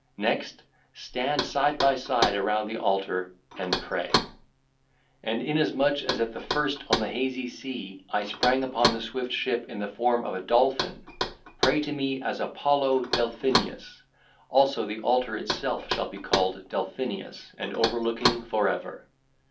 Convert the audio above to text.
Next, stand side by side around the altar and pray: and in as much as at the first on the hazy sea I sprang upon the swift ship in the form of a dolphin, pray to me as Apollo Delphinius; also the altar itself shall be called Delphinius and overlooking 2512 for ever.